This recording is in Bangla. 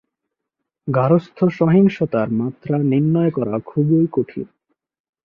গার্হস্থ্য সহিংসতার মাত্রা নির্ণয় করা খুবই কঠিন।